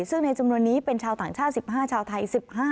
ซึ่งในจำนวนนี้เป็นชาวต่างชาติ๑๕ชาวไทย๑๕